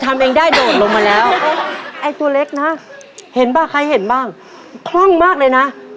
จำได้ว่ามีรูปม้าลายกับนกแก้วอยู่ข้างล่างของนาฬิกา